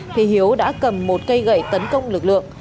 thì hiếu đã cầm một cây gậy tấn công lực lượng